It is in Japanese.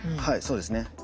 はいそうですね。